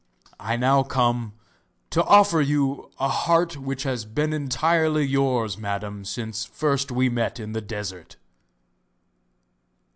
I now come to offer you a heart which has been entirely yours, Madam, since first we met in the desert.